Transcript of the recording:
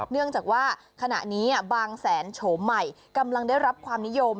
เนื่องจากว่าขณะนี้บางแสนโฉมใหม่กำลังได้รับความนิยม